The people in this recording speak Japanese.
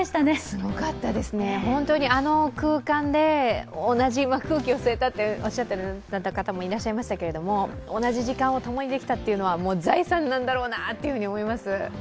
すごかったですね、本当にあの空間で同じ空気を吸えたとおっしゃっている方もいましたが、同じ時間をともにできたというのは財産なんだろうなと思います。